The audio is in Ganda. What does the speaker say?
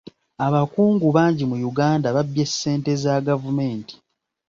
Abakungu bangi mu Uganda babbye ssente za gavumenti.